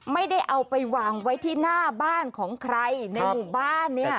ไม่ได้เอาไปวางไว้ที่หน้าบ้านของใครในหมู่บ้านเนี่ย